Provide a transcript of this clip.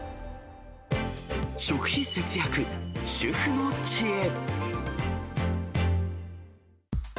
食費節約、主婦の知恵。